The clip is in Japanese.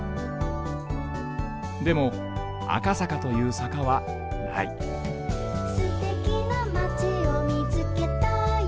でも赤坂という坂はない「すてきなまちをみつけたよ」